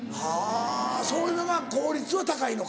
そういうのが効率は高いのか。